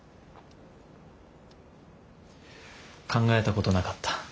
考えたことなかった。